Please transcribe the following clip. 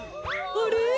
あれ？